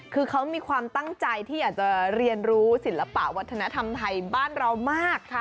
คือเขามีความตั้งใจที่อยากจะเรียนรู้ศิลปะวัฒนธรรมไทยบ้านเรามาก